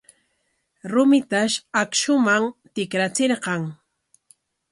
Rumitash akshuman tikrachirqan.